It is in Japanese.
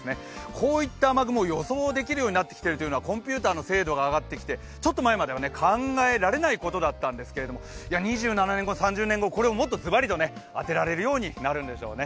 こういった雨雲、予想できるようになってきているというのはコンピューターの精度が上がってきて、ちょっと前までは考えられないことだったんですけれども２０何年後、３０年後、これをもっとずばりと当てられるようになるんでしょうね。